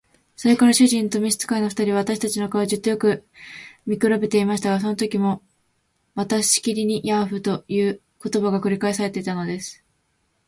それから主人と召使の二人は、私たちの顔をじっとよく見くらべていましたが、そのときもまたしきりに「ヤーフ」という言葉が繰り返されたのです。